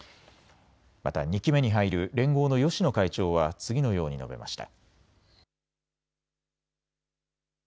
また２期目に入る連合の芳野会長は次のように述べました。